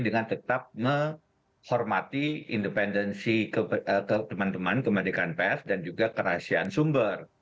dengan tetap menghormati independensi teman teman kemerdekaan pers dan juga kerahasiaan sumber